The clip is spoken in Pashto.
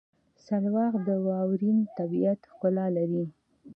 سلواغه د واورین طبیعت ښکلا لري.